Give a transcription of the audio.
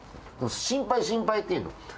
心配、心配っていうの。